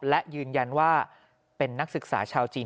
และยืนยันว่าเป็นนักศึกษาชาวจีน